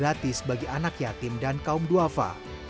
untuk pendidikan gratis bagi anak yatim dan kaum duafa